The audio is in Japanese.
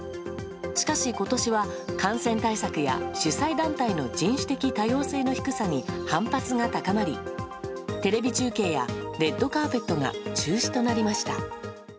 しかし、今年は感染対策や主催団体の人種的多様性の低さに反発が高まりテレビ中継やレッドカーペットが中止となりました。